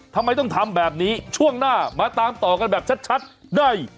ทำไมต้องทำแบบนี้ช่วงหน้ามาตามต่อกันแบบชัดได้